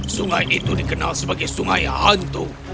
sungai itu dikenal sebagai sungai hantu